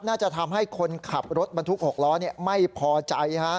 น่าจะทำให้คนขับรถบรรทุก๖ล้อไม่พอใจ